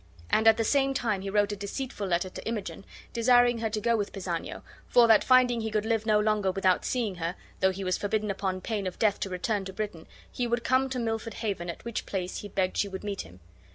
And at the same time he wrote a deceitful letter to Imogen, desiring her to go with Pisanio, for that, finding he could live no longer without seeing her, though he was forbidden upon pain of death to return to Britain, he would come to Milford Haven, at which place he begged she would meet him.